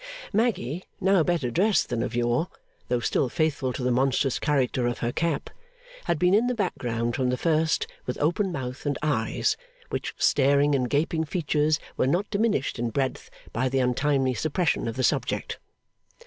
Maggy, now better dressed than of yore, though still faithful to the monstrous character of her cap, had been in the background from the first with open mouth and eyes, which staring and gaping features were not diminished in breadth by the untimely suppression of the subject.